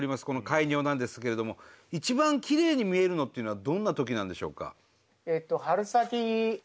このカイニョなんですけれども一番きれいに見えるのっていうのはどんなときなんでしょうか？